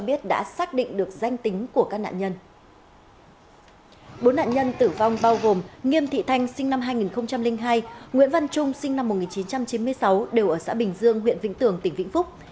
bốn nạn nhân tử vong bao gồm nghiêm thị thanh sinh năm hai nghìn hai nguyễn văn trung sinh năm một nghìn chín trăm chín mươi sáu đều ở xã bình dương huyện vĩnh tường tỉnh vĩnh phúc